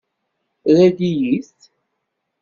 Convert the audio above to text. Rran-iyi-t.